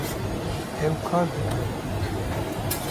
Ew kar dikin